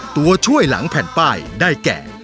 ตัวช่วยหลังแผ่นป้ายได้แก่